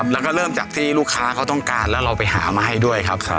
แล้วก็เริ่มจากที่ลูกค้าเขาต้องการแล้วเราไปหามาให้ด้วยครับ